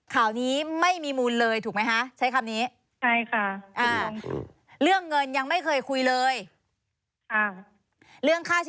ข่านี้ไม่มีมูลเลยถูกมั้ยคะ